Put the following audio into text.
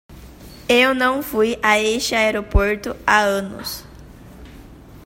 Eu não fui a este aeroporto há anos.